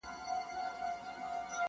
ګوندي نن وي که سبا څانګه پیدا کړي،